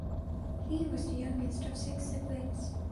He was the youngest of six siblings.